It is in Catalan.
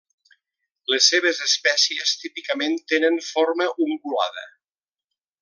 Les seves espècies típicament tenen forma ungulada.